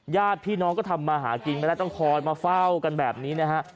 ญาติพี่น้องก็ทำมาหากินไม่ได้ต้องคอยมาเฝ้ากันแบบนี้นะฮะ